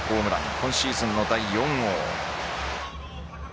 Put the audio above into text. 今シーズンの第４号。